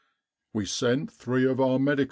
We sent three of our M.O.'